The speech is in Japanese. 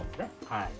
はい。